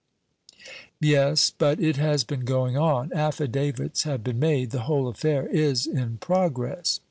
"Yes, but it has been going on. Affidavits have been made; the whole affair is in progress."